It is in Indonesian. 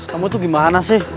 kamu tuh gimana sih